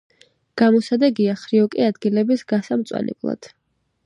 გამოსადეგია ხრიოკი ადგილების გასამწვანებლად.